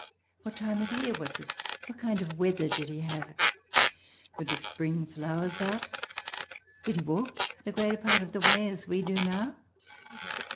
What time of the year was it? What kind of weather did he have? Were the spring flowers out? Did he walk the greater part of the way as we do now?